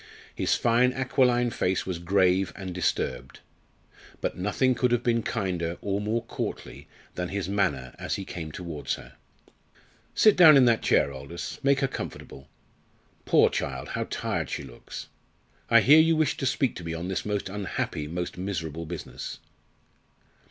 His fine aquiline face was grave and disturbed. But nothing could have been kinder or more courtly than his manner as he came towards her. "Sit down in that chair. Aldous, make her comfortable. Poor child, how tired she looks! I hear you wished to speak to me on this most unhappy, most miserable business."